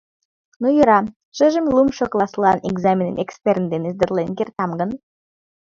Ну, йӧра, шыжым лумшо класслан экзаменым экстерн дене сдатлен кертам гын...